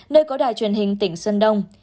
nơi có đài truyền hình tỉnh sơn đông